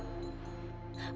menjual anaknya sendiri